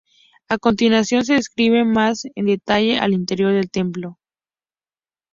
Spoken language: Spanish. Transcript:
A continuación, se describe más en detalle el interior del templo.